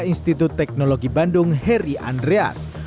institut teknologi bandung heri andreas